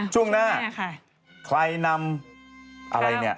ช่วงหน้าใครนำอะไรเนี่ย